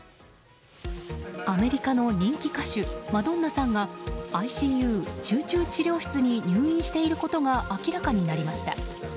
アメリカの人気歌手マドンナさんがＩＣＵ・集中治療室に入院していることが明らかになりました。